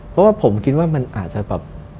เพราะว่าผมคิดว่ามันอาจจะแบบ